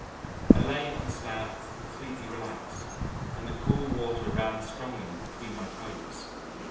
I lay on the slab completely relaxed, and the cool water ran strongly between my toes.